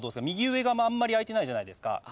右上があんまり開いてないじゃないですか。